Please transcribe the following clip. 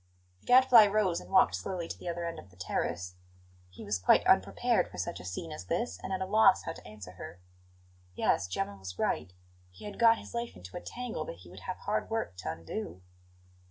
The Gadfly rose and walked slowly to the other end of the terrace. He was quite unprepared for such a scene as this and at a loss how to answer her. Yes, Gemma was right; he had got his life into a tangle that he would have hard work to undo.